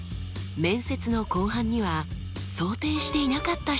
面接の後半には想定していなかった質問が来ました。